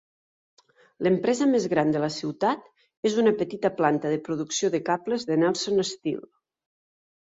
L'empresa més gran de la ciutat és una petita planta de producció de cables de Nelsol Steel.